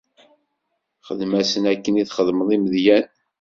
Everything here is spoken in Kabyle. Xedm-asen akken i txedmeḍ i Midyan.